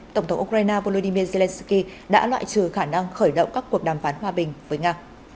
tổng thống ukraine volodymyr zelensky đã loại trừ khả năng khởi động các cuộc đàm phán hòa bình với nga